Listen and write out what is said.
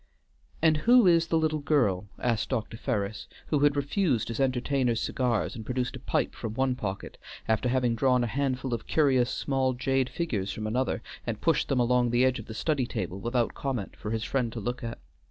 "And who is the little girl?" asked Dr. Ferris, who had refused his entertainer's cigars and produced a pipe from one pocket, after having drawn a handful of curious small jade figures from another and pushed them along the edge of the study table, without comment, for his friend to look at.